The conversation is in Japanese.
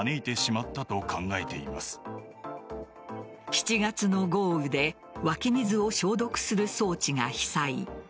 ７月の豪雨で湧き水を消毒する装置が被災。